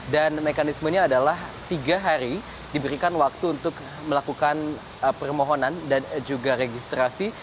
dan mekanismenya adalah tiga hari diberikan waktu untuk melakukan permohonan dan juga registrasi